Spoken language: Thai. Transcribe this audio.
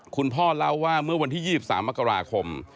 คุณพ่อเล่าว่าเมื่อวันที่๒๓มกราคม